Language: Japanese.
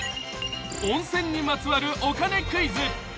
［温泉にまつわるお金クイズ］